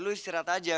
lu istirahat aja